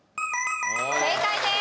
正解です。